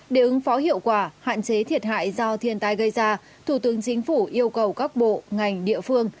để ứng phó hiệu quả hạn chế thiệt hại do thiên tai gây ra thủ tướng chính phủ yêu cầu các bộ ngành địa phương